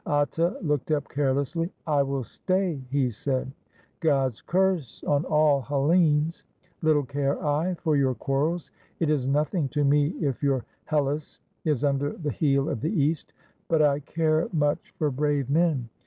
Atta looked up carelessly. "I will stay," he said. "God's curse on all Hellenes! Little care I for your quarrels. It is nothing to me if your Hellas is under the heel of the East. But I care much for brave men.